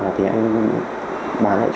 lâm đã trả công bằng heroin